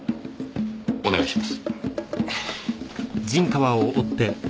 お願いします。